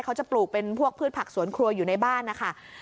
ปลูกเป็นพวกพืชผักสวนครัวอยู่ในบ้านนะคะ